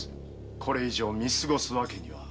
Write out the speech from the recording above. これ以上見過ごすわけには。